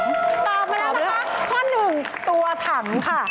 ตอบมาแล้วนะคะข้อหนึ่งตัวถังค่ะ